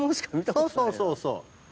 そうそうそうそう。